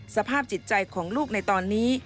สภาพจิตใจของลูกในตอนนี้